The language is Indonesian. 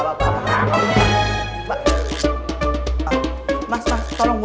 sakit itu katanya